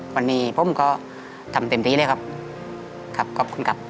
วันนี้ผมก็ทำเต็มที่เลยครับครับขอบคุณครับ